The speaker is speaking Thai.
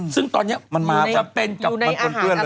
ซึ่งตอนนี้จะเป็นกับคนเพื่อนเลย